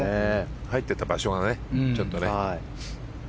入っていった場所がちょっとね。